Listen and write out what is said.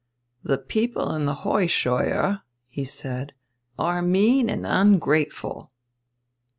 "The people in the Heuscheuer," he said, "are mean and ungrateful."